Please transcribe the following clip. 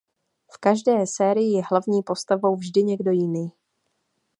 V každé sérii je hlavní postavou vždy někdo jiný.